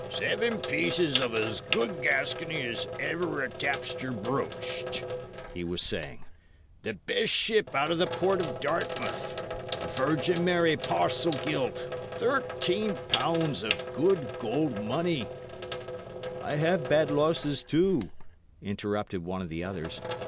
"Seven pieces of as good Gascony as ever a tapster broached," he was saying, "the best ship out o' the port o' Dartmouth, a Virgin Mary parcel gilt, thirteen pounds of good gold money " "I have bad losses, too," interrupted one of the others.